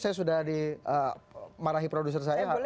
saya sudah dimarahi produser saya